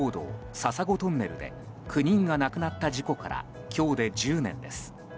笹子トンネルで９人が亡くなった事故から今日で１０年です。